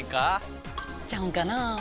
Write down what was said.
ちゃうんかな。